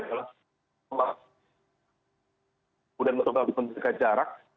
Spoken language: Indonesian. untuk membahas kemudian mencoba untuk menjaga jarak